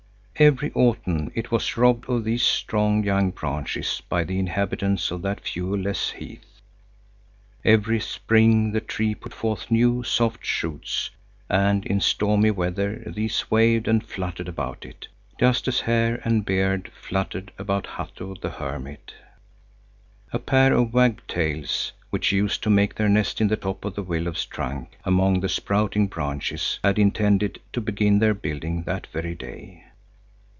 Every autumn it was robbed of these strong, young branches by the inhabitants of that fuel less heath. Every spring the tree put forth new, soft shoots, and in stormy weather these waved and fluttered about it, just as hair and beard fluttered about Hatto the hermit. A pair of wagtails, which used to make their nest in the top of the willow's trunk among the sprouting branches, had intended to begin their building that very day.